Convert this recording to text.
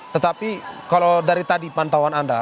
tetapi kalau dari tadi pantauan anda